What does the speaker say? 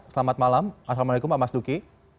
selamat malam assalamualaikum pak mas duki